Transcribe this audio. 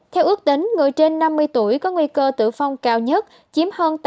theo ước tính người trên năm mươi tuổi có nguy cơ nhiễm bệnh trở nặng nhập viện và tử phong